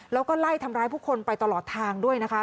แล้วก็ไล่ทำร้ายผู้คนไปตลอดทางด้วยนะคะ